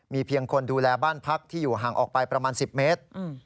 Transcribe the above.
เพียงคนดูแลบ้านพักที่อยู่ห่างออกไปประมาณ๑๐เมตร